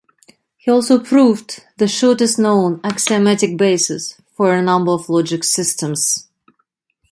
He also proved the shortest known axiomatic bases for a number of logic systems.